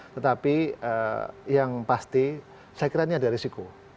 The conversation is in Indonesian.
tetapi yang pasti saya kira ini ada risiko